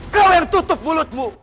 kau yang tutup mulutmu